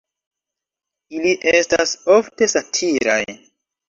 Ili estas ofte satiraj.